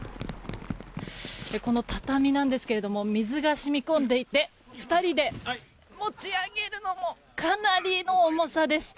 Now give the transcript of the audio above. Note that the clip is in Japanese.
この畳なんですけれども水が染み込んでいて２人で持ち上げるのもかなりの重さです。